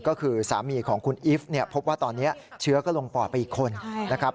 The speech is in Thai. ก็คือสามีของคุณอิฟท์พบว่าตอนนี้เชื้อก็ลงปลอดไปอีกคน